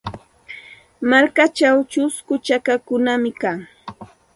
Markachaw chusku chakakunam kan.